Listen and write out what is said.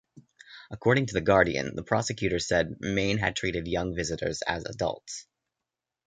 According to "The Guardian", the prosecutor "said Mayne had treated young visitors as adults".